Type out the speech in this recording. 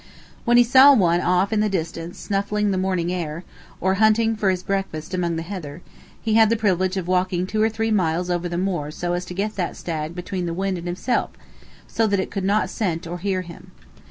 When he saw one way off in the distance snuffing the morning air, or hunting for his breakfast among the heather, he had the privilege of walking two or three miles over the moor so as to get that stag between the wind and himself, so that it could not scent him or hear him.